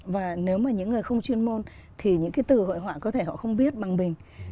và nếu mà những người không chuyên môn thì những cái từ hội họa có thể họ không biết bằng mình